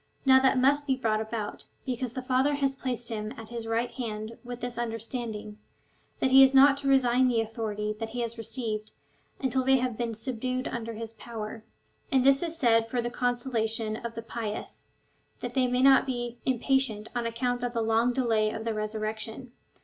Now that must be brought about, because the Father has placed him at his right hand with this under standing, that he is not to resign the authority that he has received, until they have been subdued under his power. And this is said for the consolation of the pious, that they may not be impatient on account of the long delay of the resurrection.